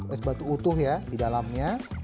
es batu utuh ya di dalamnya